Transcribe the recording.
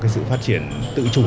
sự phát triển tự chủ